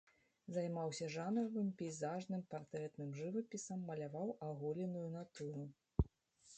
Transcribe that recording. Займаўся жанравым, пейзажным, партрэтным жывапісам, маляваў аголеную натуру.